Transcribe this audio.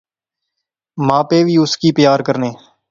ما پے وی اُس کی پیار کرنے